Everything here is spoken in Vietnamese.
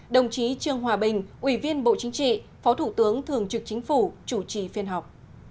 đồng chí trương hòa bình ủy viên bộ chính trị phó thủ tướng thường trực chính phủ chủ trì phiên họp